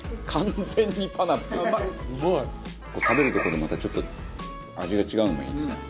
食べるとこでまたちょっと味が違うのがいいですね。